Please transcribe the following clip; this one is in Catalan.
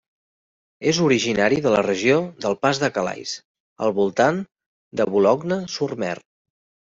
És originari de la regió del Pas de Calais, al voltant de Boulogne-sur-Mer.